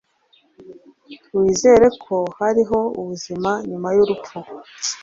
Wizera ko hariho ubuzima nyuma yurupfu